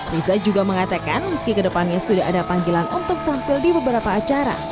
riza juga mengatakan meski kedepannya sudah ada panggilan untuk tampil di beberapa acara